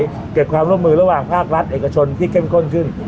ให้เก็บร่วมลงมือรกลาเวลาภาครัฐเอกชนที่เข้มข้นขึ้น